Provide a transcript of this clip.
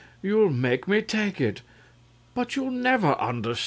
you'll make me take it. But you'll never understand.